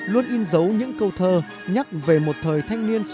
luôn in dấu những câu thơ nhắc về một thời thanh niên